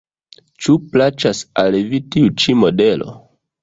Ĉu plaĉas al vi tiu ĉi modelo?